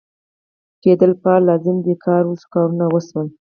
کېدل فعل لازم دی کار وشو ، کارونه وشول